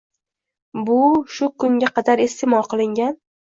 Bu shu kunga qadar isteʼmol qilingan